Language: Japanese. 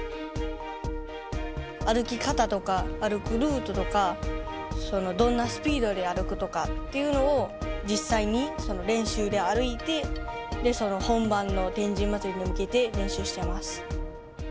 歩き方とか、歩くルートとか、どんなスピードで歩くとかっていうのを、実際に練習で歩いて、その本番の天神祭に向けて練習してます。